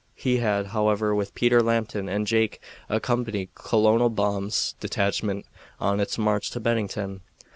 He had, however, with Peter Lambton and Jake, accompanied Colonel Baum's detachment on its march to Bennington.